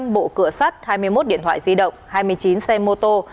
năm bộ cửa sắt hai mươi một điện thoại di động hai mươi chín xe mô tô